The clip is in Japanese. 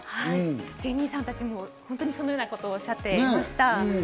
芸人さんたちも本当にそのようなことをおっしゃっていました。